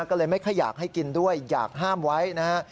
ก็เลยไม่ค่อยอยากให้กินด้วยอยากห้ามไว้นะฮะ